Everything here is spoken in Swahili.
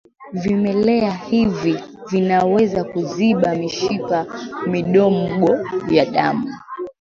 vimelea hivi vinaweza kuziba mishipa midogo ya damu